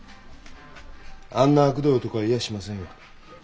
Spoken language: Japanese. あんなあくどい男はいやしませんよ。